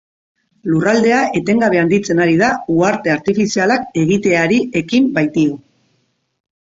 Lurraldea etengabe handitzen ari da uharte artifizialak egiteari ekin baitio.